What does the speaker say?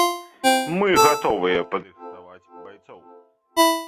Мы гатовыя падрыхтаваць байцоў.